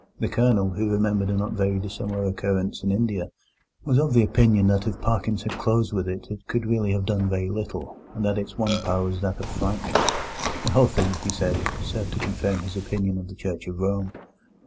The Colonel, who remembered a not very dissimilar occurrence in India, was of the opinion that if Parkins had closed with it it could really have done very little, and that its one power was that of frightening. The whole thing, he said, served to confirm his opinion of the Church of Rome.